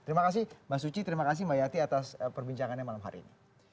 terima kasih mbak suci terima kasih mbak yati atas perbincangannya malam hari ini